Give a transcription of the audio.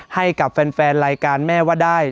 ให้กับแฟนรายการแม่ว่าได้